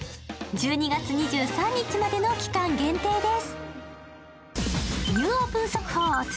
１２月２３日までの期間限定です。